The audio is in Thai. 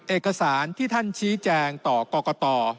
เอกสารที่ท่านชี้แจงต่อกรกต